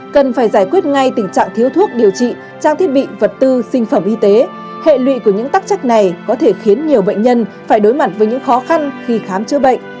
cần phải giải quyết ngay tình trạng thiếu thuốc điều trị trang thiết bị vật tư sinh phẩm y tế hệ lụy của những tắc trách này có thể khiến nhiều bệnh nhân phải đối mặt với những khó khăn khi khám chữa bệnh